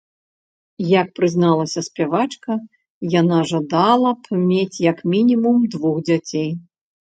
Як прызналася спявачка, яна жадала б мець як мінімум двух дзяцей.